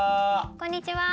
こんにちは！